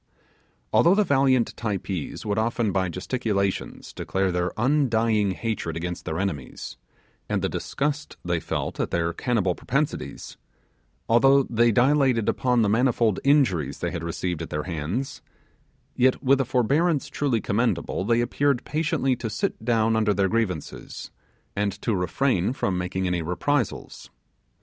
Although the valiant Typees would often by gesticulations declare their undying hatred against their enemies, and the disgust they felt at their cannibal propensities; although they dilated upon the manifold injuries they had received at their hands, yet with a forbearance truly commendable, they appeared to sit down under their grievances, and to refrain from making any reprisals.